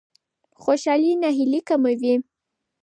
خوشالي ناهیلي کموي.